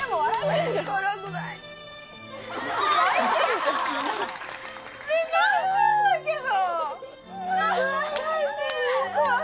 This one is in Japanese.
泣いてんだけど。